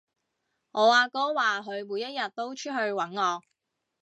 我阿哥話佢每一日都出去搵我